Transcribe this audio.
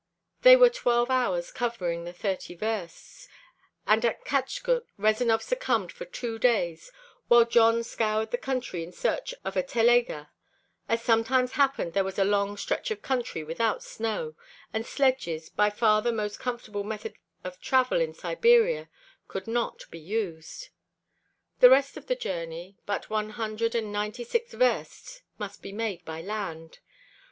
They were twelve hours covering the thirty versts, and at Katschuk Rezanov succumbed for two days, while Jon scoured the country in search of a telega; as sometimes happened there was a long stretch of country without snow, and sledges, by far the most comfortable method of travel in Siberia, could not be used. The rest of the journey, but one hundred and ninety six versts, must be made by land.